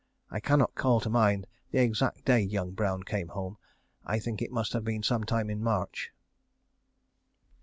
I cannot call to mind the exact day young Brown came home. I think it must have been some time in March.